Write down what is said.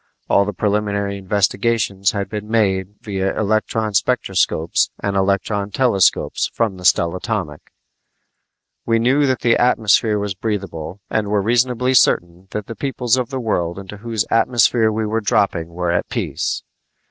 All the preliminary investigations had been made via electronspectroscopes and electrontelescopes from the stellatomic. We knew that the atmosphere was breathable and were reasonably certain that the peoples of the world into whose atmosphere we were dropping were at peace.